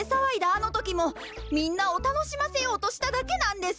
あのときもみんなをたのしませようとしただけなんです。